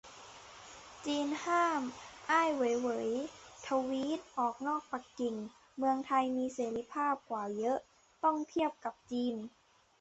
จีนห้าม "อ้าย เหว่ยเหว่ย" ทวีต - ออกนอกปักกิ่ง เมืองไทยมีเสรีภาพกว่าแยะ ต้องเทียบกับจีน